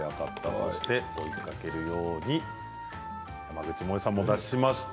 そして追いかけるように山口もえさんも出しました。